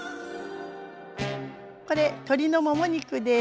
これ鶏のもも肉です。